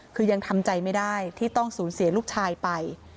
คือยังทำใจไม่ได้ที่ต้องสูญเสียลูกชายไป